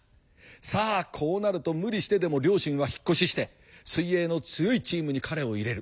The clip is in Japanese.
さあこうなると無理してでも両親は引っ越しして水泳の強いチームに彼を入れる。